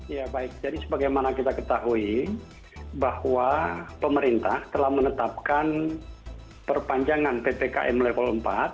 ya baik jadi sebagaimana kita ketahui bahwa pemerintah telah menetapkan perpanjangan ppkm level empat